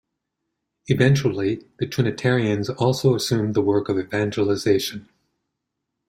Eventually, the Trinitarians also assumed the work of evangelization.